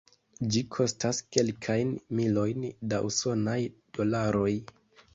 Ĝi kostas kelkajn milojn da usonaj dolaroj.